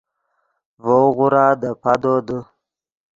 ڤؤ غورا دے پادو دے